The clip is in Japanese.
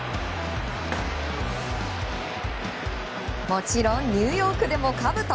もちろんニューヨークでもかぶと。